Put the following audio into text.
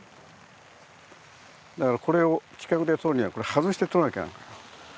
だからこれを近くで撮るには外して撮らなきゃ。